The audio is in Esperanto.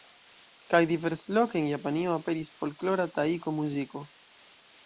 Kaj diversloke en Japanio aperis folklora Taiko-muziko.